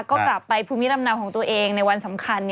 ก็กลับไปภูมิลำเนาของตัวเองในวันสำคัญ